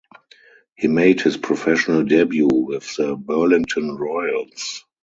He made his professional debut with the Burlington Royals.